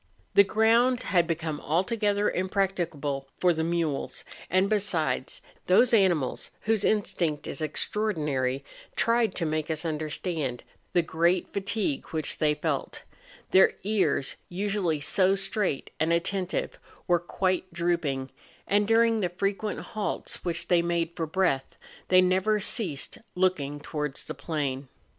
The ground had be¬ come altogether impracticable for the, mules; and, besides, those animals, whose instinct is extraor¬ dinary, tried to make us understand the great fa¬ tigue which they felt; their ears, usually so straight and attentive, were quite drooping, and, during the frequent halts which they made for breath, they never ceased looking towards the plain.